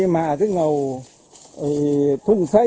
เหลืองเท้าอย่างนั้น